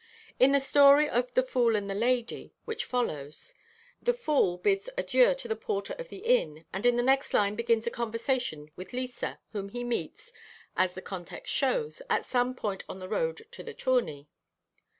In the story of "The Fool and the Lady" which follows, the fool bids adieu to the porter of the inn, and in the next line begins a conversation with Lisa, whom he meets, as the context shows, at some point on the road to the tourney.